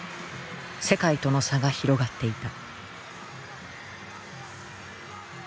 世界との差が広がっていた。